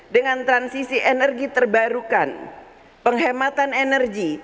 dengan transisi energi terbarukan penghematan energi